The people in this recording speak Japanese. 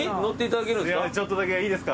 ちょっとだけいいですか？